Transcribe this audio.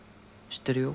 知ってるよ。